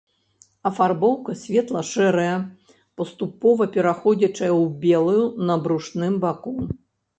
Афарбоўка светла-шэрая, паступова пераходзячая ў белую на брушным баку.